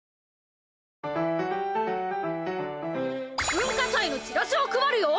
文化祭のチラシを配るよ！